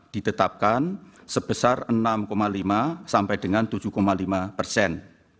ditetapkan sebesar enam lima sampai dengan tujuh lima persen